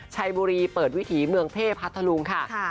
ชัยบุรีเปิดวิถีเมืองเพศพัทธลุงค่ะ